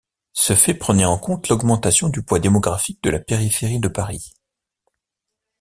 Ce fait prenait en compte l'augmentation du poids démographique de la périphérie de Paris.